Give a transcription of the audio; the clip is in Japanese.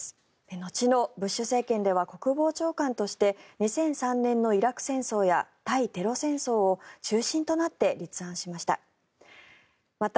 後のブッシュ政権では国防長官として２００３年のイラク戦争や対テロ戦争を中心となって立案しました。